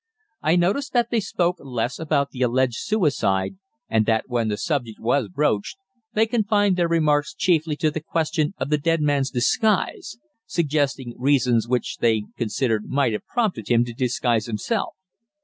I noticed that they spoke less about the alleged suicide, and that when the subject was broached they confined their remarks chiefly to the question of the dead man's disguise, suggesting reasons which they considered might have prompted him to disguise himself.